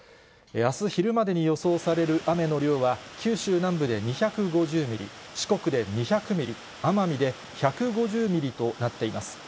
あす昼までに予想される雨の量は、九州南部で２５０ミリ、四国で２００ミリ、奄美で１５０ミリとなっています。